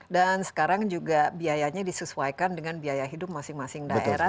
dan sekarang juga biayanya disesuaikan dengan biaya hidup masing masing daerah